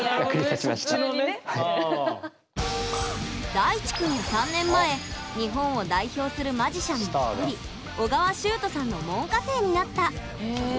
大智くんは３年前日本を代表するマジシャンの一人緒川集人さんの門下生になった。